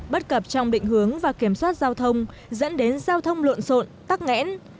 bất cập trong định hướng và kiểm soát giao thông dẫn đến giao thông lộn xộn tắc nghẽn